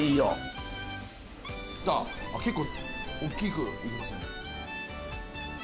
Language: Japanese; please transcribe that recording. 結構おっきくいきますね。